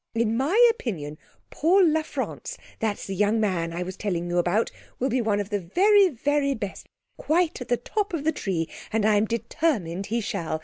In my opinion Paul La France, that's the young man I was telling you about, will be one of the very very best quite at the top of the tree, and I'm determined he shall.